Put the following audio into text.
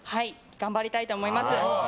頑張りたいと思います。